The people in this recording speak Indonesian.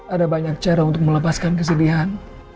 ada banyak cara untuk melepaskan kesedihan